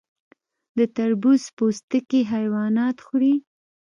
د تربوز پوستکي حیوانات خوري.